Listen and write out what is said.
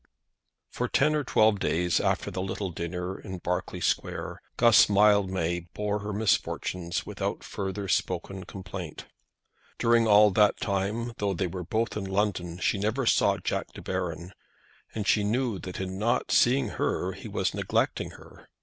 For ten or twelve days after the little dinner in Berkeley Square Guss Mildmay bore her misfortunes without further spoken complaint. During all that time, though they were both in London, she never saw Jack De Baron, and she knew that in not seeing her he was neglecting her.